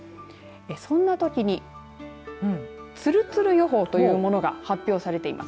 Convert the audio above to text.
そんなときにつるつる予報というものが発表されています。